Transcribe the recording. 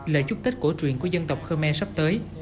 lời chúc tết cổ truyền của dân tộc khmer sắp tới